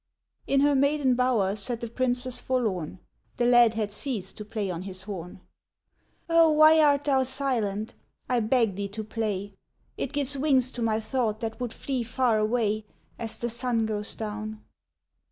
In her maiden bower sat the Princess forlorn, The lad had ceased to play on his horn. "Oh, why art thou silent? I beg thee to play! It gives wings to my thought that would flee far away, As the sun goes down."